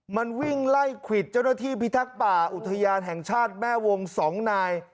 มันวิ่งไล่ควิดเจ้าหน้าที่พิทักษ์ป่าอุทยานแห่งชาติแม่วง๒นาย